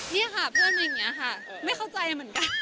นี่ค่ะเพื่อนมาอย่างนี้ค่ะไม่เข้าใจเหมือนกัน